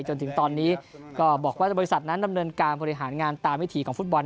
จนถึงตอนนี้ก็บอกว่าบริษัทนั้นดำเนินการบริหารงานตามวิถีของฟุตบอล